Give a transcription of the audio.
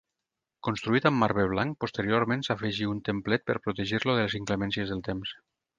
Construït amb marbre blanc, posteriorment s'afegí un templet per protegir-lo de les inclemències del temps.